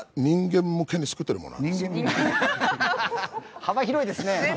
幅広いですね。